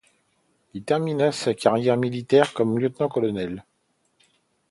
Il termine sa carrière militaire comme lieutenant-colonel.